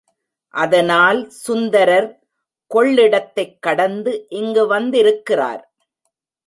அதனால் சுந்தரர் கொள்ளிடத்தைக் கடந்து இங்கு வந்திருக்கிறார்.